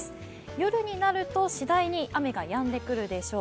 夜になると、次第に雨がやんでくるでしょう。